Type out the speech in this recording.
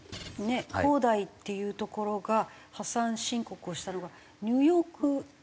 恒大っていうところが破産申告をしたのがニューヨークに対して。